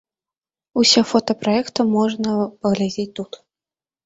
Усе фота праекта можна паглядзець тут.